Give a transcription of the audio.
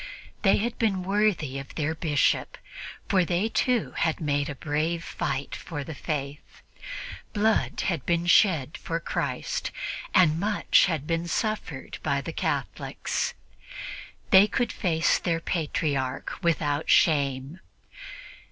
They had been worthy of their Bishop, for they too had made a brave fight for the Faith. Blood had been shed for Christ, and much had been suffered by the Catholics; they could face their Patriarch without shame.